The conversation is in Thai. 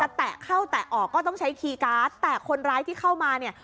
แตะเข้าแตะออกก็ต้องใช้คีย์การ์ดแต่คนร้ายที่เข้ามาเนี่ย